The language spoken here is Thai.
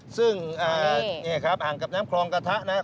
ซึ่งนี่ครับอ่างกับน้ำคลองกระทะนะครับ